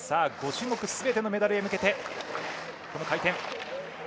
５種目すべてのメダルへ向けてこの回転。